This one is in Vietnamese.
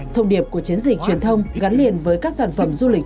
thông điệp của chiến dịch truyền thông gắn liền với các sản phẩm du lịch